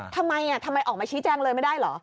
ทำไมออกมาชี้แจ้งเลยไม่ได้หรอ